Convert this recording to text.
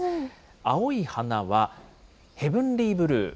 青い花は、ヘブンリーブルー。